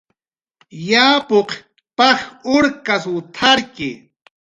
"Yapw paj urkas t""arki"